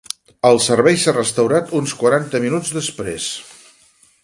El servei s’ha restaurat uns quaranta minuts després.